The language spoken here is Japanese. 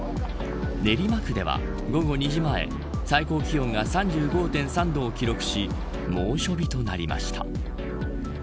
練馬区では午後２時前最高気温が３５．３度を記録し猛暑日となりました。